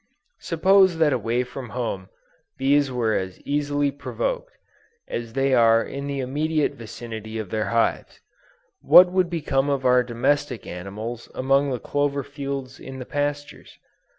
Suppose that away from home, bees were as easily provoked, as they are in the immediate vicinity of their hives, what would become of our domestic animals among the clover fields in the pastures?